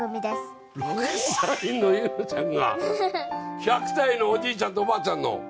６歳の柚乃ちゃんが１００歳のおじいちゃんとおばあちゃんの？